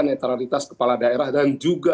netralitas kepala daerah dan juga